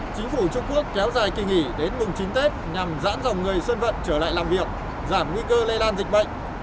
chính phủ trung quốc kéo dài kỳ nghỉ đến mừng chín tết nhằm giãn dòng người dân vận trở lại làm việc giảm nguy cơ lây lan dịch bệnh